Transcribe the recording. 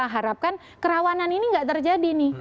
harapkan kerawanan ini tidak terjadi